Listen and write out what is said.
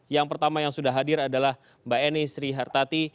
yang pertama yang sudah hadir adalah mbak eni sri hartati